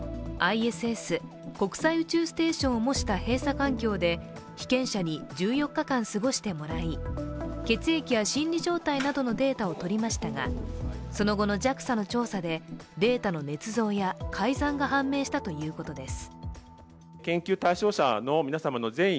ＩＳＳ＝国際宇宙ステーションを模した閉鎖環境で被験者に１４日間、過ごしてもらい血液や心理状態などのデータをとりましたがその後のＪＡＸＡの調査で、データのねつ造や改ざんが判明したということです。